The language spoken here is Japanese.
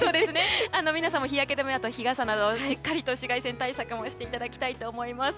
皆さんも日焼け止めや日傘などしっかりと紫外線対策をしていただきたいと思います。